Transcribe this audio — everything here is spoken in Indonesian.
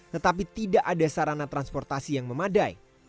tetapi tidak ada sarana transportasi yang memadai